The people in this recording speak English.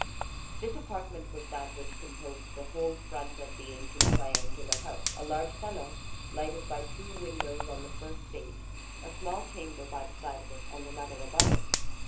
This apartment was that which composed the whole front of the ancient triangular house; a large salon, lighted by two windows on the first stage, a small chamber by the side of it, and another above it.